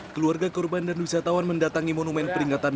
keluarga korban dan wisatawan mendatangi monumen peringatan